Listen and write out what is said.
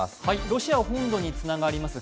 ロシア本土につながります